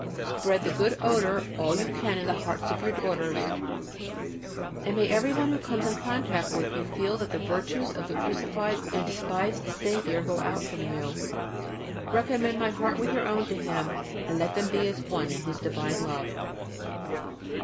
Spread the good odour all you can in the hearts of your daughters, and may everyone who comes in contact with you feel that the virtues of the crucified and despised Saviour go out from you. Recommend my heart with your own to Him and let them be as one in His divine love.